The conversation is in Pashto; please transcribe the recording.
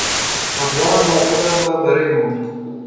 افغان ځواکونه به بری مومي.